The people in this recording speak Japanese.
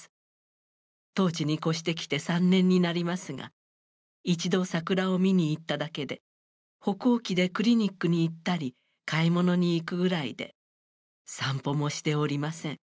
当地に越してきて３年になりますが一度桜を見に行っただけで歩行器でクリニックに行ったり買い物に行くぐらいで散歩もしておりません。